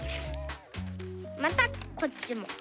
またこっちも。